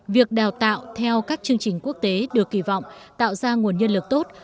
việc đào tạo theo các chương trình quốc tế được kỳ vọng tạo ra nguồn nhân lực tốt